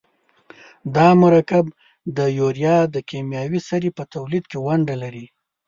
دا مرکب د یوریا د کیمیاوي سرې په تولید کې ونډه لري.